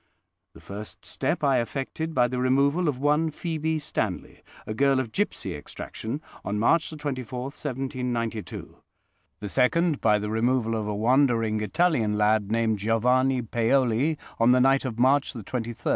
The first step I effected by the removal of one Phoebe Stanley, a girl of gipsy extraction, on March 24, 1792. The second, by the removal of a wandering Italian lad, named Giovanni Paoli, on the night of March 23, 1805.